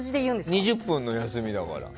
２０分の休みだから。